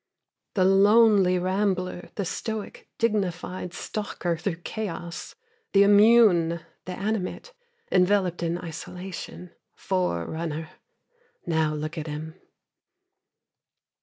The lonely rambler, the stoic, dignified stalker through chaos, The immune, the animate, Enveloped in isolation, Forerunner. Now look at him!